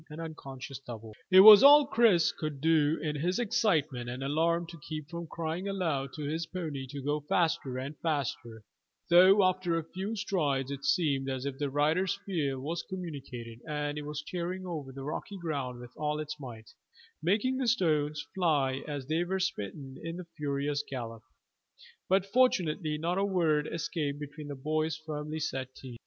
AN UNCONSCIOUS DOUBLE. It was all Chris could do in his excitement and alarm to keep from crying aloud to his pony to go faster and faster, though after a few strides it seemed as if the rider's fear was communicated, and it was tearing over the rocky ground with all its might, making the stones fly as they were smitten in the furious gallop. But fortunately not a word escaped between the boy's firmly set teeth.